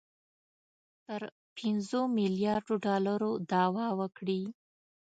تر پنځو میلیاردو ډالرو دعوه وکړي